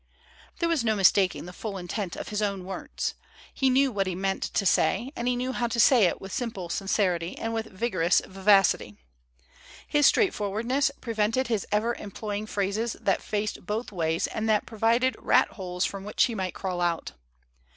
There was no mistaking the full intent of his own words. He knew what he meant to say, and he knew how to say it with simple sincerity and with vigorous vivacity. His straightfor wardness prevented his ever employing phrases that faced both ways and that provided rat holes from which he might crawl out.